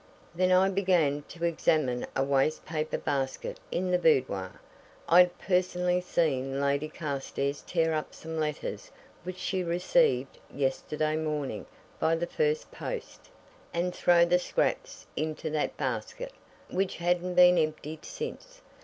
Then I began to examine a waste paper basket in the boudoir I'd personally seen Lady Carstairs tear up some letters which she received yesterday morning by the first post, and throw the scraps into that basket, which hadn't been emptied since.